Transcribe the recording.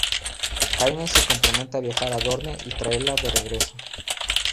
Jaime se compromete a viajar a Dorne y traerla de regreso.